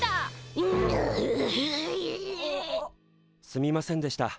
すみませんでした。